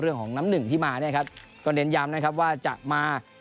เรื่องของน้ำหนึ่งที่มาเนี่ยครับก็เน้นย้ำนะครับว่าจะมา